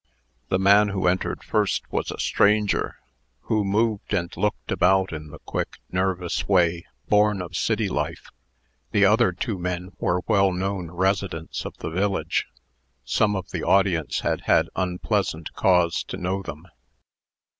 The man who entered first was a stranger, who moved and looked about in the quick, nervous way born of city life. The other two men were well known residents of the village. Some of the audience had had unpleasant cause to know them.